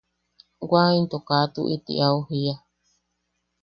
Waʼa into kaa tuʼi ti au jiia.